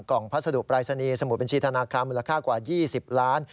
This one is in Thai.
กล่องพัฒนธุปรายศนีสมุดบัญชีธนาคมมูลค่ากว่า๒๐ล้านบาท